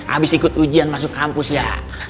habis ikut ujian masuk kampus ya